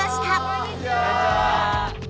こんにちは！